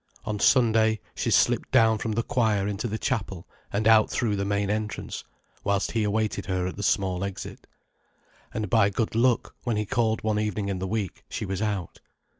On Sunday, she slipped down from the choir into the Chapel, and out through the main entrance, whilst he awaited her at the small exit. And by good luck, when he called one evening in the week, she was out.